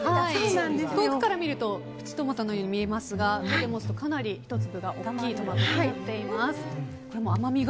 遠くから見るとプチトマトのように見えますが手で持つとかなり１粒が大きいトマトになっています。